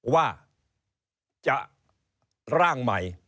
ว่าจะร่างใหม่